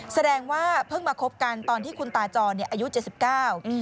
แสดงว่าเพิ่งมาคบกันตอนที่คุณตาจรเนี่ยอายุเจ็ดสิบเก้าอืม